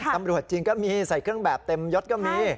ตำรวจจริงก็มีใส่เครื่องแบบเต็มยดก็มี